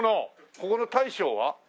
ここの大将は？